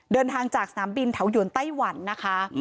เดินทางจากสนามบินเถาหยวนไต้หวันนะคะ